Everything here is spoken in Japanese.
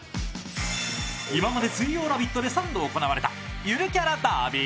今まで水曜「ラヴィット！」で行われたゆるキャラダービー。